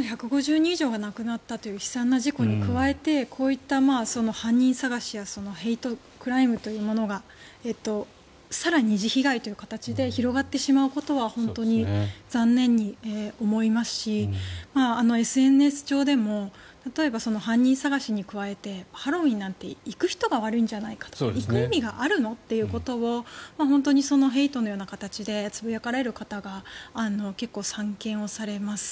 １５０人以上が亡くなったという悲惨な事故に加えてこういった犯人探しやヘイトクライムというものが更に二次被害という形で広がってしまうことは本当に残念に思いますしＳＮＳ上でも例えば犯人探しに加えてハロウィーンなんて行く人が悪いんじゃないかみたいな行く意味があるのっていうことをヘイトのような形でつぶやかれる方が結構、散見をされます。